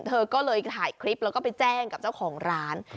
เธอก็เลยถ่ายคลิปแล้วก็ไปแจ้งกับเจ้าของร้าน